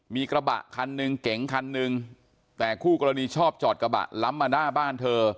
มีกระบะคันหนึ่งเก๋งคันหนึ่งแต่คู่กรณีชอบจอดกระบะล้ำมาหน้าบ้านเธอ